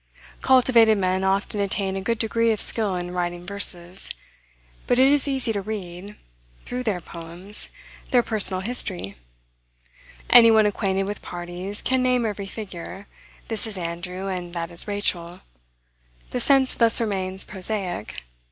Cultivated men often attain a good degree of skill in writing verses; but it is easy to read, through their poems, their personal history; any one acquainted with parties can name every figure: this is Andrew, and that is Rachel. The sense thus remains prosaic.